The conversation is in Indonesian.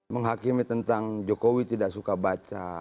menghakimi tentang jokowi tidak suka baca